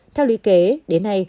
theo lũy kế đến nay